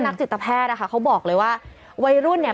นักจิตแพทย์บอกเลยว่าวัยรุ่นนี้